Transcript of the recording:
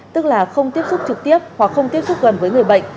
tức là không tiếp xúc trực tiếp hoặc không tiếp xúc gần với người bệnh